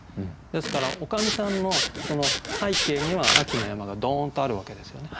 ですから女将さんの背景には秋の山がドーンとあるわけですよね。